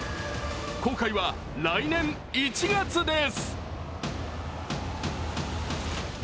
公開は来年１月です。